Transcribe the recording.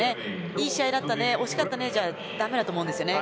いい試合だったね惜しかったねじゃだめだと思うんですよね。